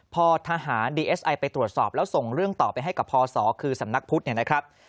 พอทหารดีเอสไอไปตรวจสอบแล้วส่งเรื่องต่อไปให้กับพศคือสำนักพุทธเนี่ยนะครับ